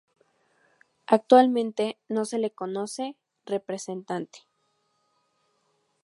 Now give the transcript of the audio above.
Actualmente no se le conoce representante.